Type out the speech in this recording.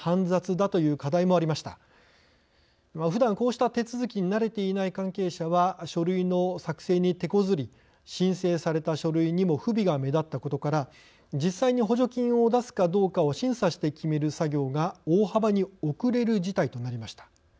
ふだんこうした手続きに慣れていない関係者は書類の作成にてこずり申請された書類にも不備が目立ったことから実際に補助金を出すかどうかを審査して決める作業が大幅に遅れる事態となりました。